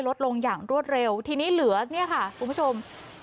ลดลงอย่างรวดเร็วทีนี้เหลือเนี่ยค่ะคุณผู้ชม